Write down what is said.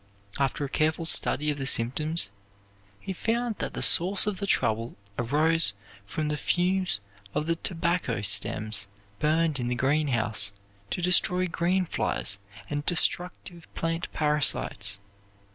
After a careful study of the symptoms he found that the source of the trouble arose from the fumes of the tobacco stems burned in the greenhouse to destroy green flies and destructive plant parasites.